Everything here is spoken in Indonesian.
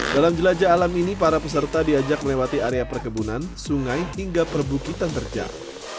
dalam jelajah alam ini para peserta diajak melewati area perkebunan sungai hingga perbukitan terjang